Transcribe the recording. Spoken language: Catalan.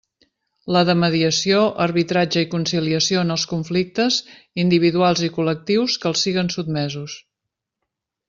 La de mediació, arbitratge i conciliació en els conflictes individuals i col·lectius que els siguen sotmesos.